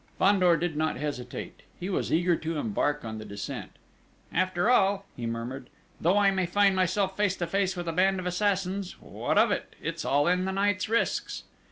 Fandor did not hesitate: he was eager to embark on the descent. "After all," he murmured, "though I may find myself face to face with a band of assassins what of it? It is all in the night's risks!"